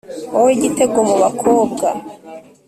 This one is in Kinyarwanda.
wowe, gitego mu bakobwa